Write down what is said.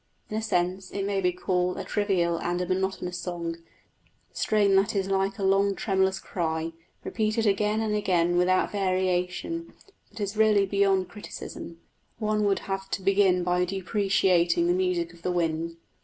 In a sense it may be called a trivial and a monotonous song the strain that is like a long tremulous cry, repeated again and again without variation; but it is really beyond criticism one would have to begin by depreciating the music of the wind.